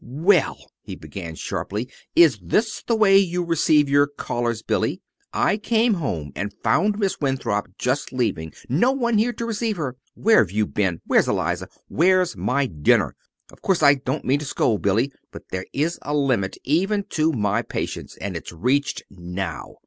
"Well," he began sharply, "is this the way you receive your callers, Billy? I came home and found Miss Winthrop just leaving no one here to receive her! Where've you been? Where's Eliza? Where's my dinner? Of course I don't mean to scold, Billy, but there is a limit to even my patience and it's reached now.